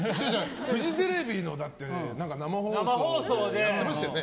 フジテレビの生放送でやってましたよね。